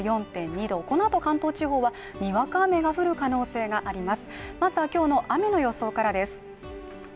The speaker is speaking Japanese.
気温は２４．２度このあと関東地方はにわか雨が降る可能性があります